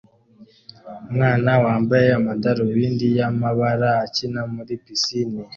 Umwana wambaye amadarubindi y'amabara akina muri pisine